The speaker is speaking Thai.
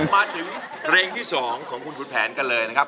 มาถึงเพลงที่๒ของคุณขุนแผนกันเลยนะครับ